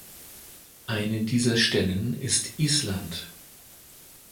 Eine dieser Stellen ist Island.